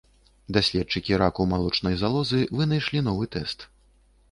Даследчыкі раку малочнай залозы вынайшлі новы тэст.